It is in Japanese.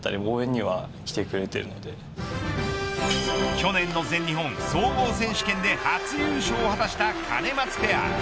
去年の全日本総合選手権で初優勝を果たしたカネマツペア。